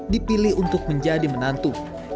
dipilih untuk menjadi menantu